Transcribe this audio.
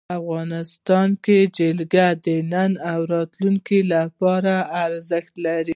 افغانستان کې جلګه د نن او راتلونکي لپاره ارزښت لري.